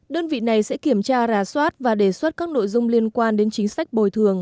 đơn vị này sẽ kiểm tra rà soát và đề xuất các nội dung liên quan đến chính sách bồi thường